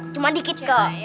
cuma dikit ke